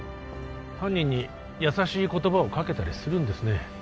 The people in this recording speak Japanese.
犯人に優しい言葉をかけたりするんですね